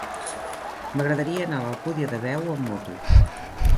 M'agradaria anar a l'Alcúdia de Veo amb moto.